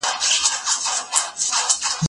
زه لوبه نه کوم؟!